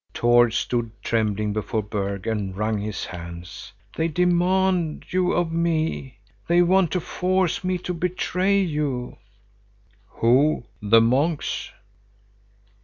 Tord stood trembling before Berg and wrung his hands. "They demand you of me! They want to force me to betray you!" "Who? The monks?"